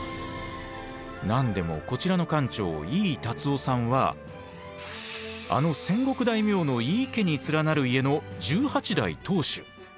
何でもこちらのあの戦国大名の井伊家に連なる家の十八代当主。